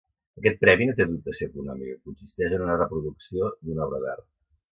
Aquest premi no té dotació econòmica, consisteix en una reproducció d'una obra d'art.